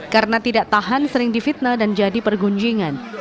karena tidak tahan sering divitna dan jadi pergunjingan